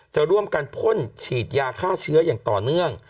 จะร่วมกันพ่นฉีดยาฆ่าเชื้ออย่างต่อเนื่อง